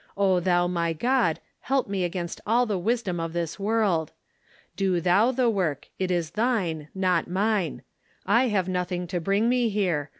O thou my God, help me against all the wisdom of this world ! Do thou the work ; it is thine, not mine. I have nothing to bring me here.